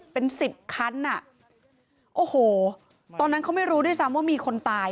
เป็นสิบคันอ่ะโอ้โหตอนนั้นเขาไม่รู้ด้วยซ้ำว่ามีคนตาย